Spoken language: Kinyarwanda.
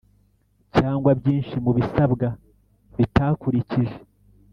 cyangwa byinshi mu bisabwa bitakurikije